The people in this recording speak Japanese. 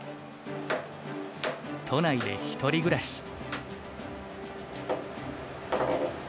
都内で一人暮らし。